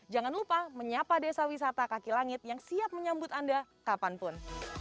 jangan lupa menyapa desa wisata kaki langit yang siap menyambut anda kapanpun